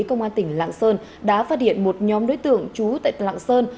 công an tỉnh lạng sơn đã phát hiện một nhóm đối tượng trú tại lạng sơn